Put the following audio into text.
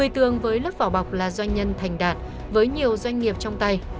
một mươi tường với lớp vỏ bọc là doanh nhân thành đạt với nhiều doanh nghiệp trong tay